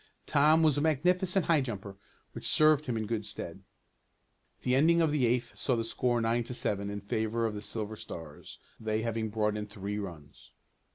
Tom was a magnificent high jumper, which served him in good stead. The ending of the eighth saw the score nine to seven in favor of the Silver Stars, they having brought in three runs.